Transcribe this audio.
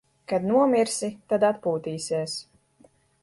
Kad nomirsi, tad atpūtīsies.